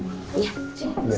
gak bisa dicara